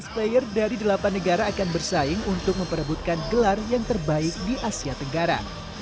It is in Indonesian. lima belas player dari delapan negara akan bersaing untuk memperebutkan gelar yang terbaik di asia tenggara